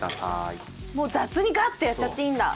もう雑にガッてやっちゃっていいんだ。